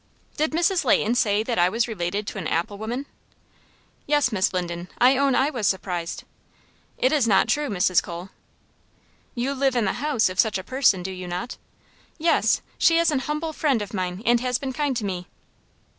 "Did Mrs. Leighton say that I was related to an apple woman?" "Yes, Miss Linden. I own I was surprised." "It is not true, Mrs. Cole." "You live in the house of such a person, do you not?" "Yes, she is an humble friend of mine, and has been kind to me."